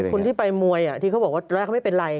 คนที่ไปมวยที่เขาบอกว่าตอนแรกเขาไม่เป็นไร